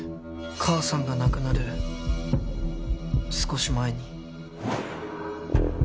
母さんが亡くなる少し前に。